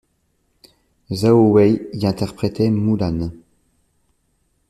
Zhao Wei y interprétait Moulane.